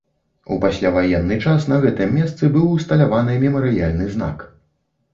У пасляваенны час на гэтым месцы быў усталяваны мемарыяльны знак.